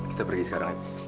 kita pergi sekarang ya